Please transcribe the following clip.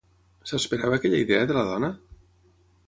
S'esperava aquella idea de la dona?